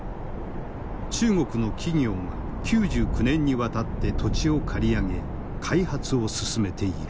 中国の企業が９９年にわたって土地を借り上げ開発を進めている。